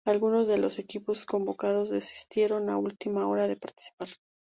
Algunos de los equipos convocados desistieron a última hora de participar.